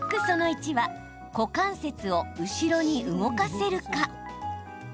その１は股関節を後ろに動かせるか。